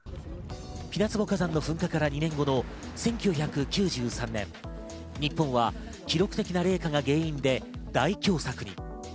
ピナツボ火山の噴火から２年後の１９９３年、日本は記録的な冷夏が原因で大凶作に。